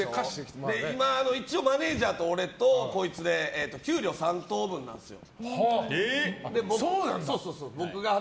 今、マネジャーと俺とこいつで給料、３等分なんですよ。